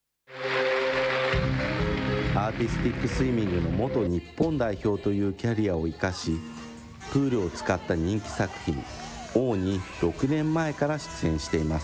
アーティスティックスイミングの元日本代表というキャリアを生かし、プールを使った人気作品、Ｏに６年前から出演しています。